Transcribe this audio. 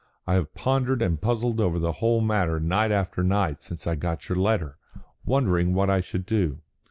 I have pondered and puzzled over the whole matter night after night since I got your letter, wondering what I should do.